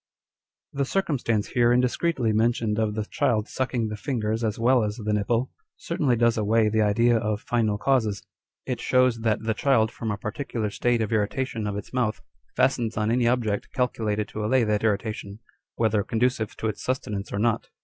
The circumstance here indiscreetly mentioned of the child sucking the fingers as well as the nipple, certainly does away the idea of final causes. It shows that the child, from a particular state of irritation of its mouth, fastens on any object calculated to allay that irritation, whether conducive to its sustenance or not.